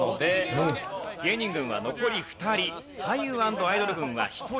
芸人軍は残り２人俳優＆アイドル軍は１人。